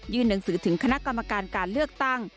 หนังสือถึงคณะกรรมการการเลือกตั้ง